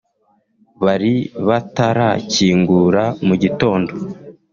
Bari batarakingura mu gitondo